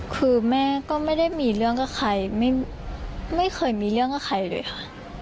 คือแม่ก็ไม่ได้มีเรื่องกับใครไม่เคยมีเรื่องกับใครเลยค่ะ